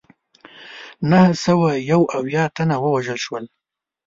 نهه سوه یو اویا تنه ووژل شول.